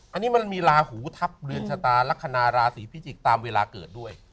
อันนี้มันมีลาหูทับเรือนชะตาลักษณะราศีพิจิกษ์ตามเวลาเกิดด้วย